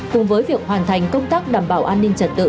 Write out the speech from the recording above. cùng với việc hoàn thành công tác đảm bảo an ninh trật tự